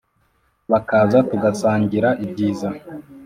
Bakaza tugasangira ibyiza